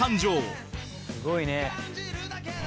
「すごいね」